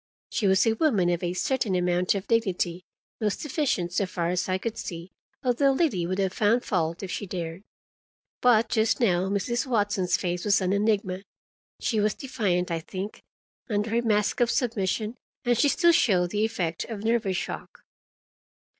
She was a woman of a certain amount of dignity, most efficient, so far as I could see, although Liddy would have found fault if she dared. But just now Mrs. Watson's face was an enigma. She was defiant, I think, under her mask of submission, and she still showed the effect of nervous shock.